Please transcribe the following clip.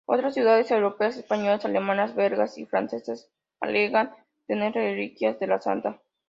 Otras ciudades europeas, españolas, alemanas, belgas y francesas alegan tener reliquias de la santa.